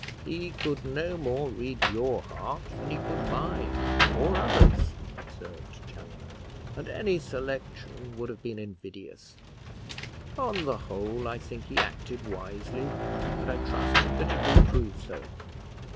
"He could no more read your heart, than he could mine or others," observed Chaloner; "and any selection would have been invidious: on the whole, I think he acted wisely, and I trust that it will prove so.